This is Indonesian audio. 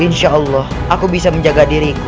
insya allah aku bisa menjaga diriku